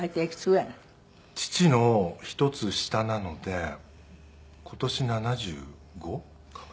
父の１つ下なので今年７５かな？